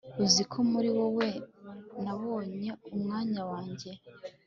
nzi ko muri wowe nabonye umwanya wanjye